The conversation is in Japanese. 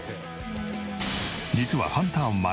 実はハンター麻莉